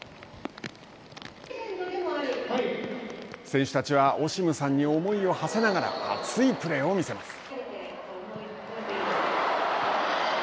選手たちはオシムさんに思いをはせながら熱いプレーを見せます。